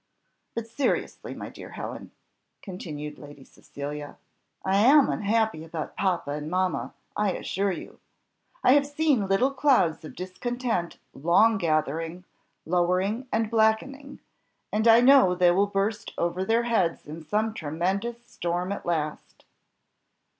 But seriously, my dear Helen," continued Lady Cecilia, "I am unhappy about papa and mamma, I assure you. I have seen little clouds of discontent long gathering, lowering, and blackening, and I know they will burst over their heads in some tremendous storm at last."